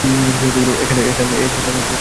এখানে থাকা যায়!